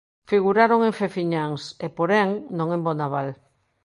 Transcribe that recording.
Figuraron en Fefiñáns e, porén, non en Bonaval.